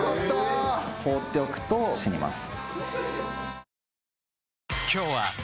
・放っておくと死にます。